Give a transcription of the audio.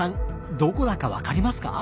どこだか分かりますか？